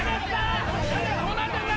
どうなってるの？